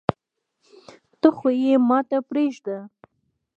ته خو يي ماته پریږده